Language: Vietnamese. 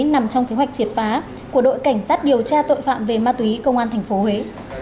nằm trong kế hoạch triệt phá của đội cảnh sát điều tra tội phạm về ma túy công an tp huế